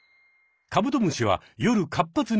カブトムシは夜活発に動く。